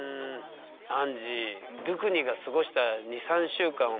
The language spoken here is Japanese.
アンジードゥクニが過ごした２３週間はほんとね。